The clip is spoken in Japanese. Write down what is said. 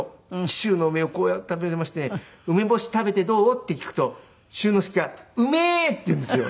紀州の梅をこうやって食べていまして「梅干し食べてどう？」って聞くと柊乃助が「うめえ！」って言うんですよ。